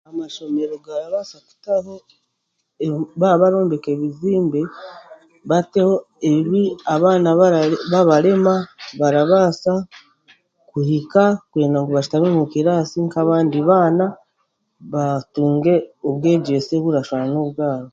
Amashomero garabaasa kutaho, baabarombeka ebizimbe bateho ebi aba abaana babarema barabaasa kuhika kwenda ngu bashutame omu kiraasi nk'abandi abaana batunge obwegyese oburashushana n'obwabo